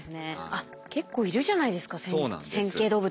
あっ結構いるじゃないですか線形動物。